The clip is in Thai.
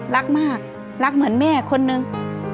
รักมากรักเหมือนแม่คนนึง